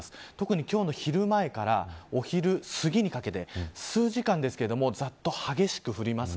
昼前からお昼過ぎにかけて数時間ですけどざっと激しく降ります。